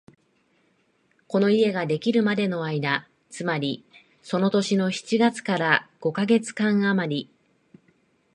この家ができるまでの間、つまりその年の七月から五カ月間あまり、